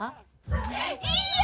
・いいよ！